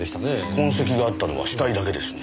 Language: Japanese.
痕跡があったのは死体だけですね。